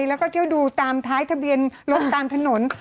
แล้วก็เที่ยวดูตามท้ายทะเบียนรถตามถนน